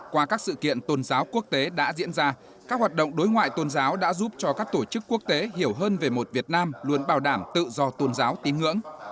qua các sự kiện tôn giáo quốc tế đã diễn ra các hoạt động đối ngoại tôn giáo đã giúp cho các tổ chức quốc tế hiểu hơn về một việt nam luôn bảo đảm tự do tôn giáo tín ngưỡng